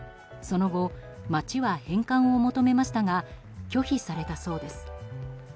その後、町は返還を求めましたが拒否されたそうです。